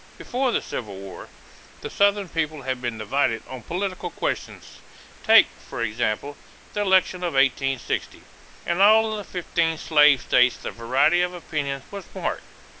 Before the Civil War, the Southern people had been divided on political questions. Take, for example, the election of 1860. In all the fifteen slave states the variety of opinion was marked.